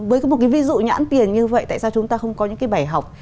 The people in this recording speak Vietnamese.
với một cái ví dụ nhãn tiền như vậy tại sao chúng ta không có những cái bài học